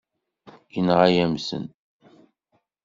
Yenɣa-yam-ten.